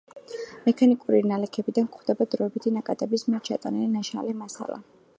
მექანიკური ნალექებიდან გვხვდება დროებითი ნაკადების მიერ ჩატანილი ნაშალი მასალა.